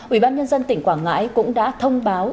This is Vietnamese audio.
ủy ban nhân dân tỉnh quảng ngãi cũng đã thông báo